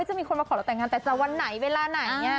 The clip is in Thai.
จะมีคนมาขอเราแต่งงานจะเวลาไหน